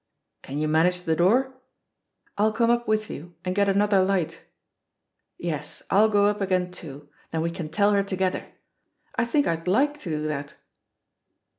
"Can you manage the door? ... I'll come up with you and get another light. Yes, I'll go up again, too — then we can tell her together. I think I'd like to do that."